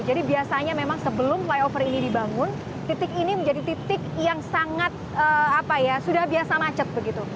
jadi biasanya memang sebelum flyover ini dibangun titik ini menjadi titik yang sangat apa ya sudah biasa macet begitu